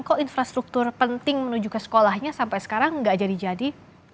kok infrastruktur penting menuju ke sekolahnya sampai sekarang nggak jadi jadi